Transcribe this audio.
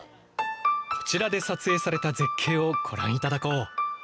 こちらで撮影された絶景をご覧いただこう。